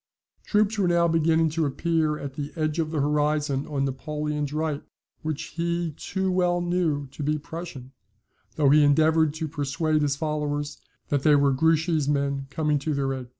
Troops were now beginning to appear at the edge of the horizon on Napoleon's right, which he too well knew to be Prussian, though he endeavoured to persuade his followers that they were Grouchy's men coming to their aid.